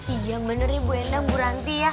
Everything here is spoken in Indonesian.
iya bener ibu endang bu ranti ya